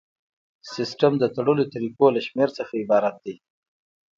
سیسټم د تړلو طریقو له شمیر څخه عبارت دی.